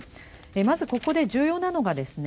まずここで重要なのがですね